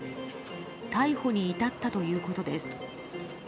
逮捕に至ったということです。